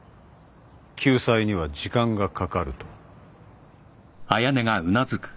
救済には時間がかかると。